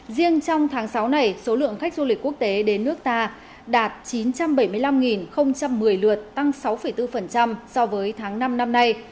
riêng trong tháng sáu này số lượng khách du lịch quốc tế đến nước ta đạt chín trăm bảy mươi năm một mươi lượt tăng sáu bốn so với tháng năm năm nay